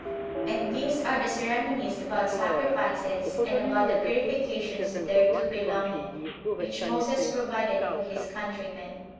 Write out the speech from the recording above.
And these are the ceremonies about sacrifices, and about the purifications thereto belonging, which Moses provided for his countrymen.